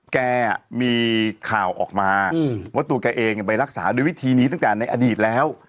แกมีข่าวออกมาว่าตัวแกเองไปรักษาด้วยวิธีนี้ตั้งแต่ในอดีตแล้ว